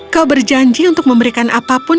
kau berjanji untuk memberikan apa pun